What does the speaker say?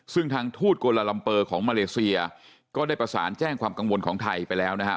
ซึ่งทางทูตกลาลัมเปอร์ของมาเลเซียก็ได้ประสานแจ้งความกังวลของไทยไปแล้วนะฮะ